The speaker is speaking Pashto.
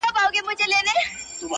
سیاه پوسي ده _ اوښکي نڅېږي _